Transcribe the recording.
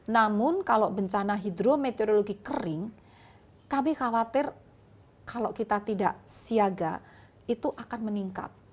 namun kalau bencana hidrometeorologi kering kami khawatir kalau kita tidak siaga itu akan meningkat